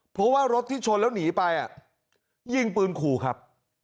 เพราะว่ารถที่ชนแล้วหนีไปยิงปืนขู่ครับ